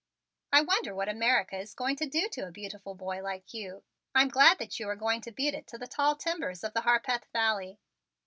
"I wonder what America is going to do to a beautiful boy like you. I'm glad that you are going to beat it to the tall timbers of the Harpeth Valley.